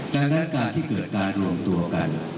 ดังนั้นการที่เกิดการรวมตัวกัน